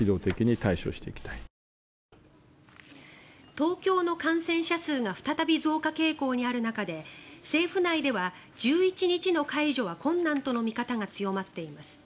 東京の感染者数が再び増加傾向にある中で政府内では１１日の解除は困難との見方が強まっています。